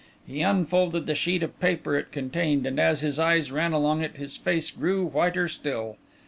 He unfolded the sheet of paper it contained, and as his eyes ran along it, his face grew whiter still.